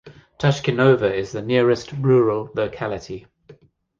Tashkinova is the nearest rural locality.